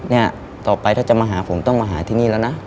เนี่ยต่อไปถ้าจะมาหาผมต้องมาหาที่นี่แล้วนะ